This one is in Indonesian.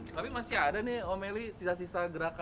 tapi masih ada nih om eli sisa sisa gerakannya